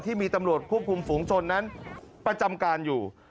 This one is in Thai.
ที่มีตำรวจควบคุมฝูงชนนั้นประจำการอยู่